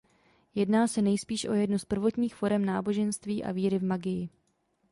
Jedná se nejspíš o jednu z prvotních forem náboženství a víry v magii.